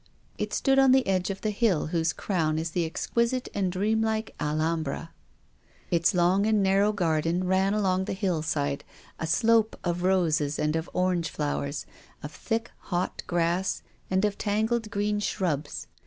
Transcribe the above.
It stood on the edge of the hill whose crown is the exquisite and dream like Alhambra. Itslong and narrow garden ran along the hillside, a slope of roses and of orange flowers, of thick, hot grass and of tangled green shrubs.